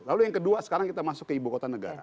lalu yang kedua sekarang kita masuk ke ibu kota negara